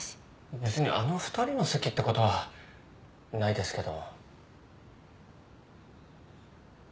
別にあの２人の席ってことはないですけど。